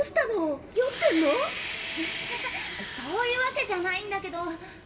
アハハそういうわけじゃないんだけど。